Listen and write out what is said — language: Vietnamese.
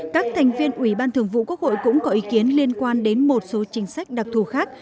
các thành viên ủy ban thường vụ quốc hội cũng có ý kiến liên quan đến một số chính sách đặc thù khác